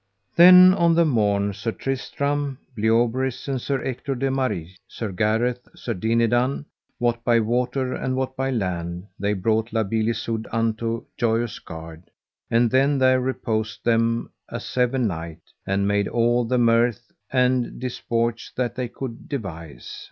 Then on the morn Sir Tristram, Bleoberis, and Sir Ector de Maris, Sir Gareth, Sir Dinadan, what by water and what by land, they brought La Beale Isoud unto Joyous Gard, and there reposed them a seven night, and made all the mirths and disports that they could devise.